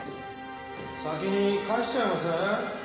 先に返しちゃいません？